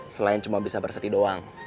selain cuma bisa bersedih doang